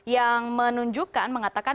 yang menunjukkan mengatakan